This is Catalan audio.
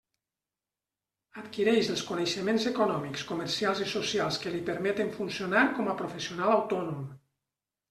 Adquireix els coneixements econòmics, comercials i socials que li permeten funcionar com a professional autònom.